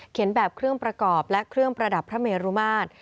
แบบเครื่องประกอบและเครื่องประดับพระเมรุมาตร